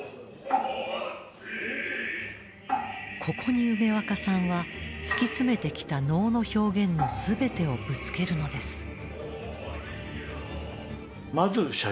ここに梅若さんは突き詰めてきた能の表現の全てをぶつけるのです。